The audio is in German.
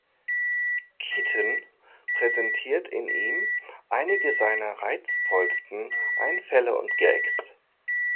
Keaton präsentiere in ihm "„einige seiner reizvollsten Einfälle und Gags"“.